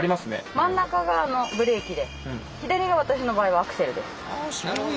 真ん中がブレーキで左が私の場合はアクセルです。